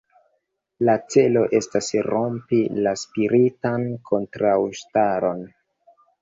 La celo estas rompi la spiritan kontraŭstaron.